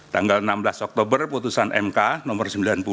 tanggal enam belas oktober putusan mk nomor sembilan puluh